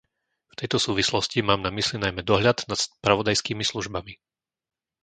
V tejto súvislosti mám na mysli najmä dohľad nad spravodajskými službami.